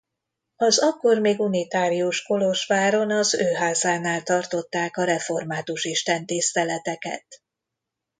Az akkor még unitárius Kolozsváron az ő házánál tartották a református istentiszteleteket.